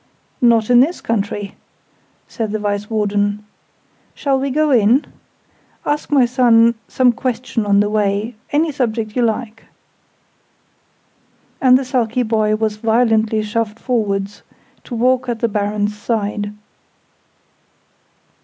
"Not in this country," said the Vice Warden. "Shall we go in? Ask my son some question on the way any subject you like!" And the sulky boy was violently shoved forwards, to walk at the Baron's side.